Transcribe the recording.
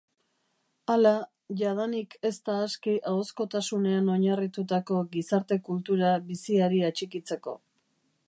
Hala, jadanik ez da aski ahozkotasunean oinarritutako gizarte-kultura biziari atxikitzeko.